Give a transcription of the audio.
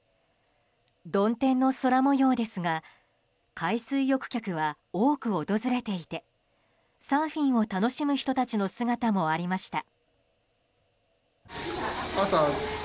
曇天の空模様ですが海水浴客は多く訪れていてサーフィンを楽しむ人たちの姿もありました。